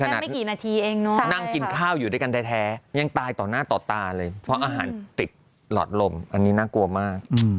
นั่งกินข้าวอยู่ด้วยกันได้แท้ยังตายต่อหน้าต่อตาเลยเพราะอาหารติดหลอดลมอันนี้น่ากลัวมาก